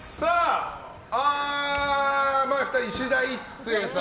前２人、いしだ壱成さん。